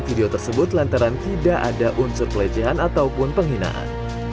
video tersebut lantaran tidak ada unsur pelecehan ataupun penghinaan